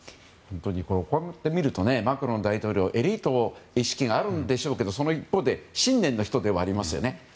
こうやって見るとマクロン大統領はエリート意識があるんでしょうがその一方で信念の人ではありますよね。